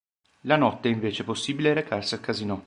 La notte è invece possibile recarsi al casinò.